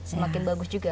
semakin bagus juga